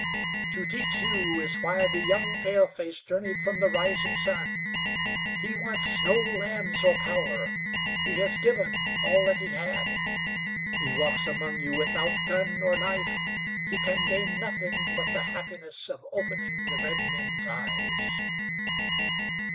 "To teach you is why the young paleface journeyed from the rising sun. He wants no lands or power. He has given all that he had. He walks among you without gun or knife. He can gain nothing but the happiness of opening the redmen's eyes.